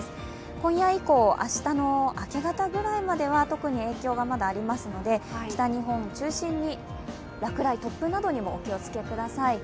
今夜以降、明日の明け方ぐらいまでは特に影響がまだありますので、北日本を中心に落雷、突風などにもお気をつけください。